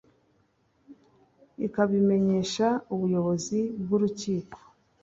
Ikabimenyesha ubuyobozi bw urukiko